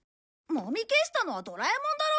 もみ消したのはドラえもんだろ！